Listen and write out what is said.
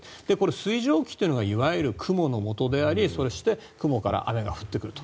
水蒸気というのがいわゆる雲のもとでありそして雲から雨が降ってくると。